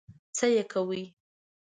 څه یې کوې؟